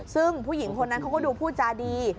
ซึ่งผู้หญิงคนนั้นเขาก็ดูพูดจาดี